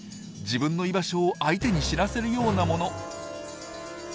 自分の居場所を相手に知らせるようなもの。